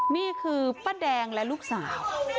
นี่คือป้าแดงและลูกสาว